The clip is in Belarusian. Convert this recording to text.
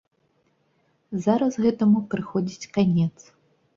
Зараз гэтаму прыходзіць канец.